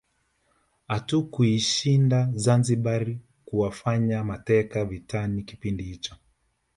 Hatukuishinda Zanzibar kuwafanya mateka vitani kipindi hicho